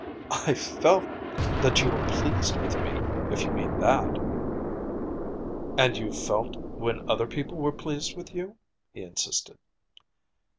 "I felt that you were pleased with me, if you mean that." "And you've felt when other people were pleased with you?" he insisted.